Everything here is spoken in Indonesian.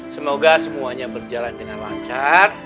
semoga semuanya berjalan dengan lancar